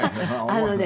あのね。